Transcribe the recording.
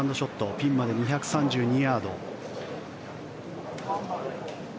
ピンまで２３２ヤード。